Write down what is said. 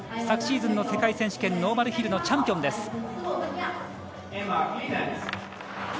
昨シーズンの世界選手権ノーマルヒルのチャンピオンです。